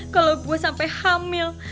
kalau gue sampai hamil